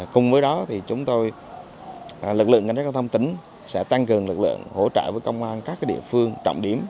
cùng với đó lực lượng cảnh sát giao thông tỉnh sẽ tăng cường lực lượng hỗ trợ với công an các địa phương trọng điểm